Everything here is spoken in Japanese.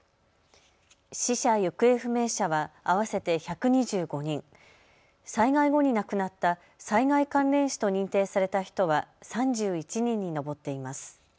死者・行方不明者は合わせて１２５人、災害後に亡くなった災害関連死と認定された人は３１人に上っています。